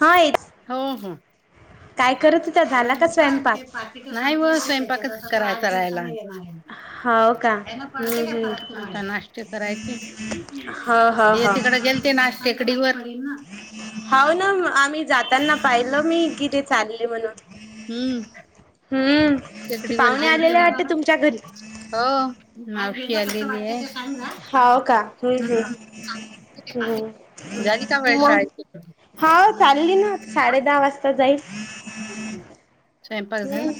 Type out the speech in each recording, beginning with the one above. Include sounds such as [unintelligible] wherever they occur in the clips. हायत हो हो. काय करत होतात झाला का स्वयंपाक? नाय व स्वयंपाकच कराय करायला हाय. हो का हम्म हम्म आता नाश्ते करायचे हो हो ये हो तिकडे गेल ते ना आज टेकडीवर वर हाव ना आम्ही जाताना पाहिलं मी कि ते चालले म्हणून. हम्म हम्म ते टेकडीवर आज पाहुणे गेलते आलेले गेला ना. वाटते बरं. तुमच्या घरी. हो मावशी आलेली आहे. सांगा. हाव का हम्म हम्म. हम्म [inaudible] झाली का वेळ शाळेची? हाव चालली ना साडे दहा वाजता जाईल स्वयंपाक झाला हम्म.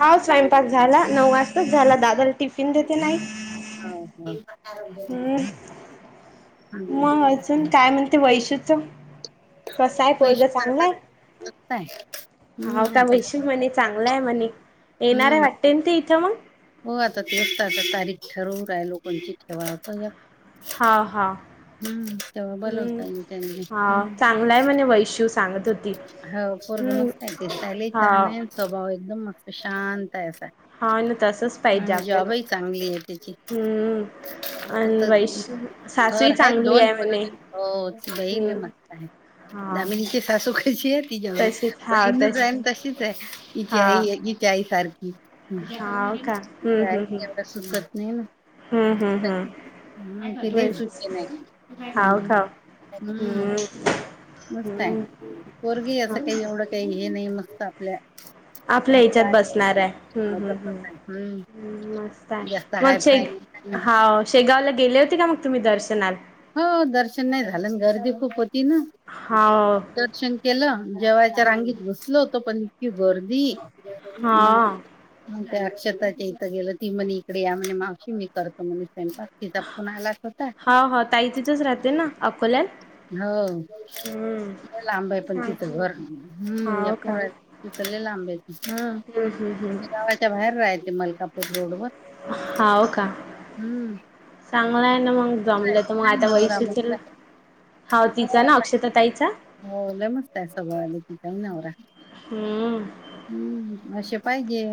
हाव स्वयंपाक झाला नऊ वाजताच झाला दादाला टिफिन देते ना आई. हाव का? हम्म. हम्म. मग, देऊन जा. अजून काय म्हणते वैशुच कसा आहे पोरगा पैसे चांगला आता आहे? काय हाव हम्म का आता वैशी म्हणे चांगलाय म्हणे येणार आहे हम्म वाटते तेन इथं मंग. हो आता तेच तर आता तारीख ठरवू रायलो कोणची ठेवाताया. हा. हा. तेव्हा हम्म. बोलवता येईल त्यांनी हा. चांगलाय म्हणे वैश्यूच हाव पोरगा मस्त आहे ते दिसायले ही तान हाव आहे स्वभाव एकदम मस्त आहे शांत आहे असा. हाव ना तसच पाहिजे आणि आपल्याला जॉबही हम्म. आणि वैश [unintelligible] थर सासूही आहेत चांगली दोन आहे म्हणे हम्म [unintelligible] हाव दामिनीची सासू कशी आहे? तशीच [unintelligible] हाव बहीण तस न तशीच आहे हिच्या हाव आई हिच्या आई सारखी. हाव हम्म का हम्म तिच्या हम्म हम्म आईला एवढ सुचत नाय ना. हम्म हम्म हम्म. हम्म ते लय वैशूच [unintelligible] नाय हाव हम्म का हम्म. मस्त आहे हम्म पोरगी ही असं काही एवढं काही हे नाय मस्त आपल्या आपल्या तसच ह्याच्यात आहे बसणाऱ्या हम्म हो, हम्म तसंच हम्म. आहे. हम्म. हम्म मस्त आहे जास्त हाय मग शे फाय नाही हाव शेगावला गेले होते का मग तुम्ही दर्शनाल? हो दर्शन नाय झालन गर्दी खूप होती ना. हाव. दर्शन केलं जेवायच्या रांगीत घुसलो तो पण इतकी गर्दी मग हा. म त्या अक्षताच्या इथं गेलं ती म्हणे इकडे या म्हणे मावशी मी करत म्हणे स्वयंपाक. तिचा फोन आलाच होता. हाव हा ताई तीथच राहते ना अकोल्याल. हो. लांब आहे पण सांग तिथं घर हम् या हाव पोर रा तिथले लांब आहे त हम हम हम. गावाच्या बाहेर राहायते मलकापूर रोड वर. हाव का चांगलंय हाय ना मग. जमले तर मग आता वै सुचल हो आता हो लय मस्त आहे स्वभावानी तिचा नवरा. हम्म. हम्म. असे पाहिजे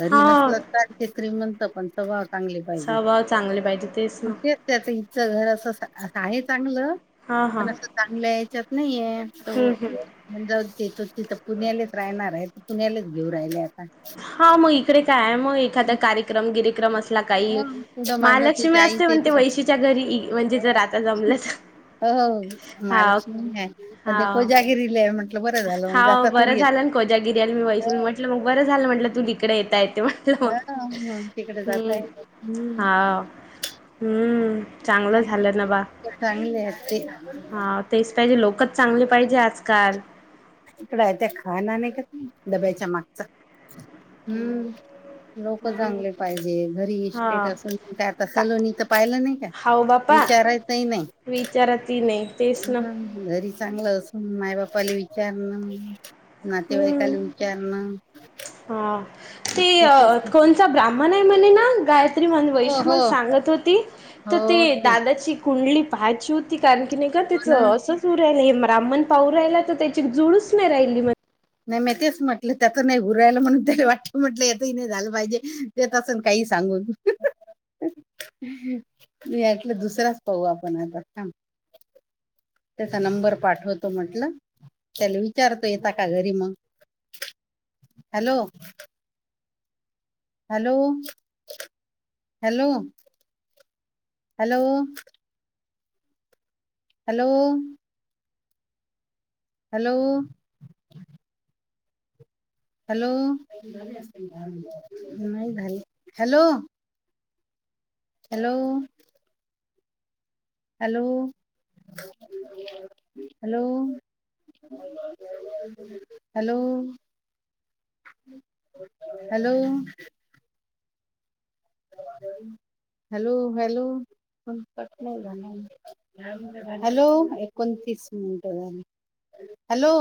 घरी हाव. नसला चालती, श्रीमंत म्हणत पण स वा चांगले पाहिजे स्वभाव चांगले पाहिजे मग ना. तेच त्याच हिचं घर असं आहे चांगलं. हा हा. पण असं चांगल्या या्याच्यात नाहीे तो हम्म हम्म. म्हण जाऊ देतो [unintelligible] तिथं पुण्यालेच राहणार आहे तर पुण्यालेच घेऊ राहिले आता. हा मग इकडे काय आहे मग एखादा कार्यक्रम गिरेक्रम अस ला काही हो, पुढं माग महालक्ष्मी तिच्या आई असते म्हण ते तिक वैशीच्या घरी म्हणजे जर आता जमलं तर हो हो हा महालक्ष्मी आहे पण हा ते कोजागिरीला आहे म्हट हा बरं झालं ना कोजागिरीला मी वै शु म्हटलं मग बरं झालं म्हटलं तू तिकडे येता येते मग. हा, मग तिकडे हम्म जाताय हम्म, हा. हम्म चांगलं झालं ना बा चांगले आहेत ते हा. तेच तायडी पाहिजे लोकच चांगले पाहिजे आजकाल. इकड आहे त्या खाणार नाही का डब्याच्या मागच हम्म. लोक हम्म चांगले पाहिजे घरी इस्टेट हा असून काय आता का सलोनी च पाहिलं नाही का? विचारायतही नाही. विचारतही नाही. तेच ना घरी चांगलं असून माय बा्पाला विचारण हम्म नातेवाईकाला त्यांना. हा ते कोणचा ब्राह्मण आहे म्हणे ना गाय म्हण वै हो शु हो सांगत होती तर ते दादाची कुंडली पहायची होती कारण का नाही का हो ना तिचं असं तूला हे ब्रा्मण पाऊ राहिला तर त्याची जुळूच नाही राहिली नाही मी तेच म्हटलं त्यात नाही उरयला म्हणून तरी वाटलं म्हटलं यातही नाही झालं पाहिजे ते तसं काही सांगून ह [unintelligible] मी लं दुसराच पाहु आपण आता थांब. त्याचा नंबर पाठवतो म्हटलं त्याला विचारतो येता का घरी मग. Hello. Hello hello hello! Hello! Hello! Hello नाही झाली hello! Hello! Hello hello! Hello! Hello! ह [unintelligible] हॅलो हॅलो फोन कट नाही झाला हॅलो एकोणतीस मिनटं झाले. हॅलो.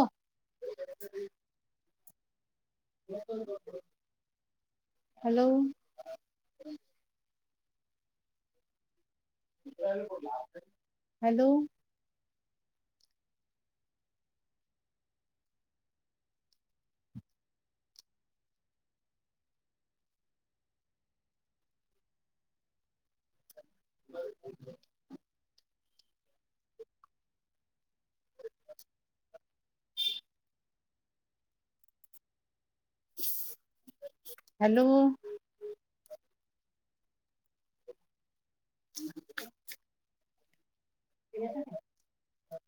हॅलो. हॅलो. ब [unintelligible] हॅलो! ह [unintelligible] [inaudible]